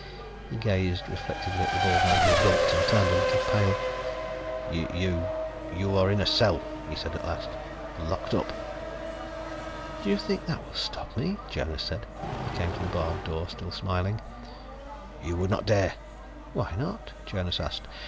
He gazed reflectively at the bald man, who gulped and turned a little pale. "You ... you are in a cell," he said at last. "Locked up." "Do you think that will stop me?" Jonas said. He came to the barred door, still smiling. "You would not dare " "Why not?" Jonas asked.